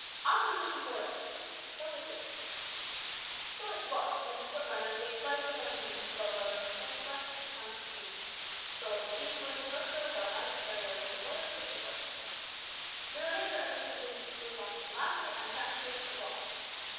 Opposition for ever! So it ever is. So it was when foot runners gave place to horsemen; so it was when horseflesh succumbed to steam. So it will be when electro galvanic aerial locomotives take the place ." (The remainder of the sentence was lost in laughter and rapturous applause.)